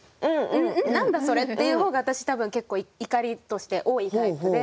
んん何だそれ？」っていう方が私多分結構怒りとして多いタイプで。